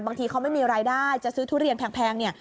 บางทีเขาไม่มีรายได้จะซื้อทุเรียนแพงเนี่ย